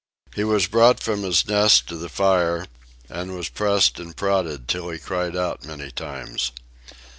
He was brought from his nest to the fire and was pressed and prodded till he cried out many times.